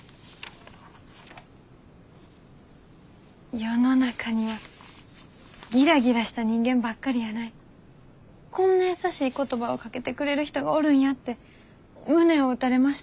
世の中にはギラギラした人間ばっかりやないこんな優しい言葉をかけてくれる人がおるんやって胸を打たれました。